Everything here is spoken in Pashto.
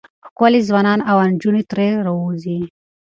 ښکلي ځوانان او نجونې ترې راوځي.